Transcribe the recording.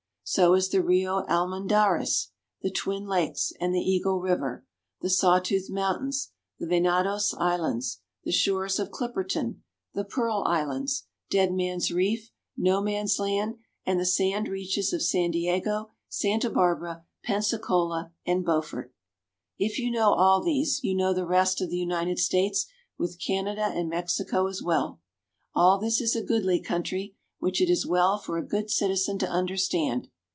So is the Rio Almendares, the Twin Lakes, and the Eagle River, the Sawtooth Mountains, the Venados Islands, the shores of Clipperton, the Pearl Islands, Dead Man's Reef, No Man's Land, and the sand reaches of San Diego, Santa Barbara, Pensacola, and Beaufort. If you know all these you know the rest of the United States, with Canada and Mexico as well. All this is a goodly country, which it is well for a good citizen to understand.